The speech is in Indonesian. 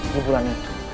di bulan itu